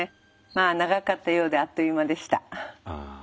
長かったようであっという間でした。